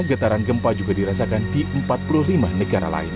getaran gempa juga dirasakan di empat puluh lima negara lain